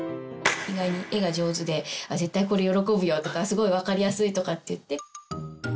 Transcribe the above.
意外に絵が上手で絶対これ喜ぶよとかすごい分かりやすいとかって言って。